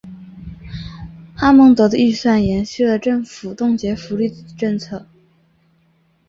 哈蒙德的预算延续了政府冻结福利的政策。